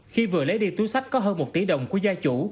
khi vừa lấy đi túi sách có hơn một tỷ đồng của gia chủ